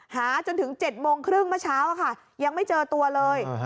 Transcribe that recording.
หาจนถึง๗โมงครึ่งเมื่อเช้าค่ะยังไม่เจอตัวเลย